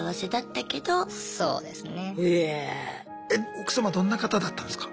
奥様どんな方だったんですか？